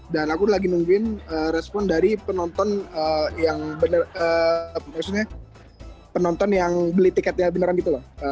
dan aku lagi nungguin respon dari penonton yang beli tiketnya beneran gitu loh